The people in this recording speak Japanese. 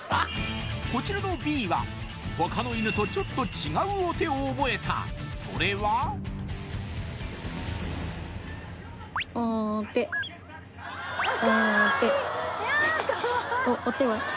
こちらのビーは他の犬とちょっと違うおてを覚えたそれは・おては？